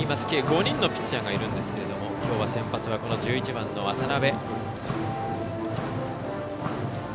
計５人のピッチャーがいるんですけどきょうは先発は１１番の渡邊。